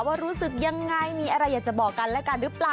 ว่ารู้สึกยังไงมีอะไรอยากจะบอกกันและกันหรือเปล่า